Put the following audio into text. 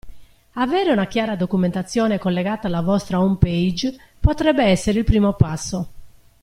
Avere una chiara documentazione collegata alla vostra homepage potrebbe essere il primo passo.